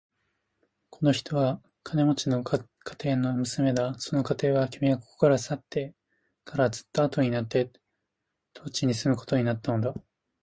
この人は金持の家庭の娘だ。その家庭は、君がここから去ってからずっとあとになって当地に住むことになったのだ。